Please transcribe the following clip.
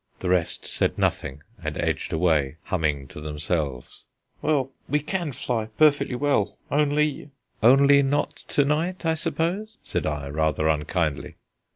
The rest said nothing and edged away, humming to themselves. "Well, we can fly perfectly well, only " "Only not to night, I suppose," said I, rather unkindly.